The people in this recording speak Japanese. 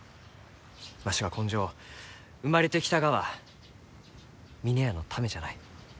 わしは今生生まれてきたがは峰屋のためじゃない。